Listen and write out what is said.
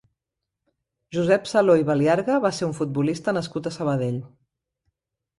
Josep Saló i Baliarga va ser un futbolista nascut a Sabadell.